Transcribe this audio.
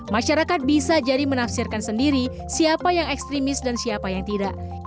masyarakat bisa jadi menafsirkan sendiri siapa yang ekstremis dan siapa yang tidak